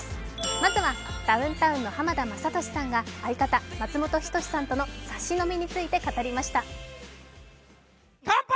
まずは、ダウンタウンの浜田雅功さんが相方・松本人志さんとのサシ飲みについて語りました。